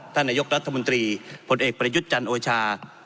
ท่านนายกรัฐมนตรีผลเอกประยุทธ์จันทร์โอชา